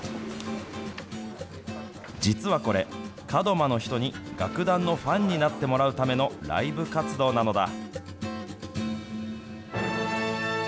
実はこれ、門真の人に楽団のファンになってもらうためのライブ活動なのだ。